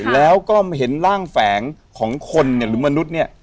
แล้วก็เห็นร่างแฝงของคนเนี่ยหรือมนุษย์เนี่ย